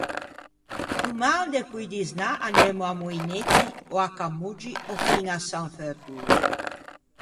Doman depoidisnâ anemmo a-i Moinetti, ò à Camoggi, ò fiña à San Fertoso.